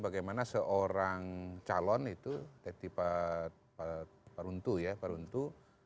di mana seorang calon itu teti paruntu ya paruntu